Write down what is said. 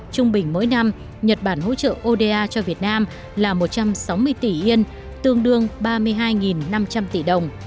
trung bình mỗi năm nhật bản hỗ trợ oda cho việt nam là một trăm sáu mươi tỷ yên tương đương ba mươi hai năm trăm linh tỷ đồng